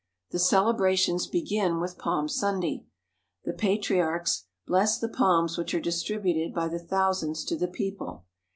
The celebrations begin with Palm Sunday. The pa triarchs bless the palms which are distributed by the thousands to the people.